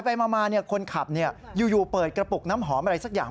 ไปมาคนขับอยู่เปิดกระปุกน้ำหอมอะไรสักอย่าง